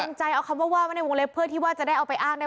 ใจเอาคำว่าว่าไว้ในวงเล็บเพื่อที่ว่าจะได้เอาไปอ้างได้